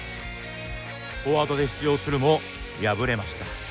フォワードで出場するも敗れました。